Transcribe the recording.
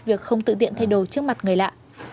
việc không tự tiện thay đổi trước mặt người lạ